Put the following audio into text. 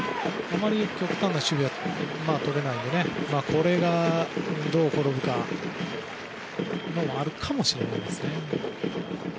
あまり極端な守備はとれないのでこれがどう転ぶかというのもあるかもしれないですね。